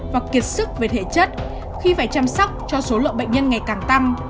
và kiệt sức về thể chất khi phải chăm sóc cho số lượng bệnh nhân ngày càng tăng